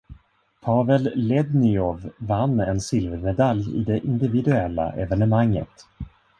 Pavel Lednyov vann en silvermedalj i det individuella evenemanget.